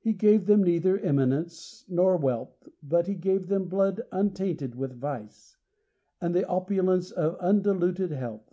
He gave them neither eminence nor wealth, But he gave them blood untainted with a vice, And the opulence of undiluted health.